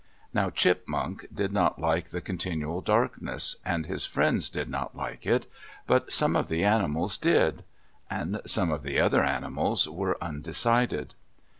Now Chipmunk did not like the continual darkness, and his friends did not like it, but some of the animals did. And some of the other animals were undecided.